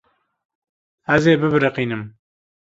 Ez ê bibiriqînim.